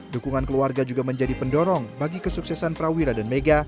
dukungan keluarga juga menjadi pendorong bagi kesuksesan prawira dan mega